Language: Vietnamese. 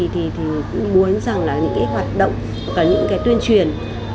thì cũng muốn rằng là những cái hoạt động cả những cái tuyên truyền